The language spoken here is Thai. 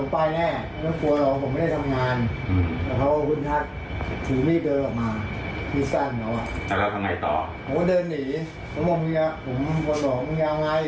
ผมก็บอกนี่นายกูทำไงอะไรมันาย